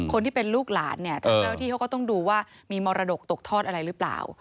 คนที่เป็นลูกหลานเนี่ยทางเจ้าที่เขาก็ต้องดูว่ามีมรดกตกทอดอะไรหรือเปล่า